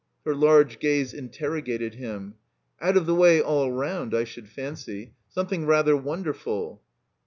Her large gaze interrogated him. "Out of the way all round, I should fancy. Some thing rather wonderful."